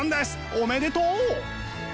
おめでとう！